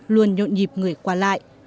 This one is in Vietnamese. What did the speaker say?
luôn nhộn nhịp người qua lại